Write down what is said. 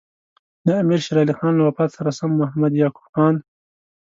د امیر شېر علي خان له وفات سره سم محمد یعقوب خان.